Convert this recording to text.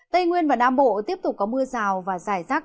tây nguyên và nam bộ tiếp tục có mưa rào và rải rác